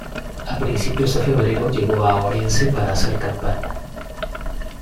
A principios de febrero llegó a Orense para hacer campaña.